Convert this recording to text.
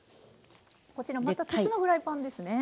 こちらまた鉄のフライパンですね。